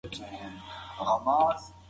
هغه وویل چې ماشوم ته اوبه ورکړه.